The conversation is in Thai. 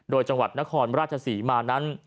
โดยจังหวัดนครราชศรีมานั้น